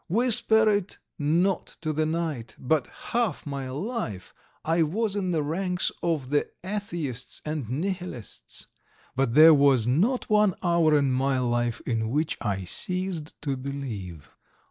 Whisper it not to the night, but half my life I was in the ranks of the Atheists and Nihilists, but there was not one hour in my life in which I ceased to believe.